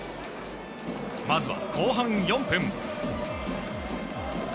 まずは後半４分。